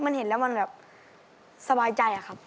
มันเห็นแล้วมันแบบสบายใจอะครับ